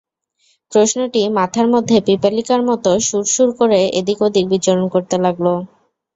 প্রশ্নটি মাথার মধ্যে পিপীলিকার মতো সুর সুর করে এদিক-ওদিক বিচরণ করতে লাগল।